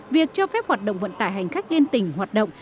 việc cho phép hoạt động vận tải hành khách liên tỉnh hoạt động